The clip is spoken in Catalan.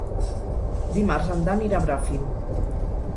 Dimarts en Dan irà a Bràfim.